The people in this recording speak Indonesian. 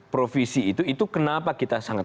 provisi itu itu kenapa kita sangat